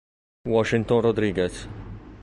Washington Rodríguez